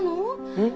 うん？